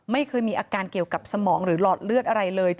ไม่เคยมีอาการเกี่ยวกับสมองหรือหลอดเลือดอะไรเลย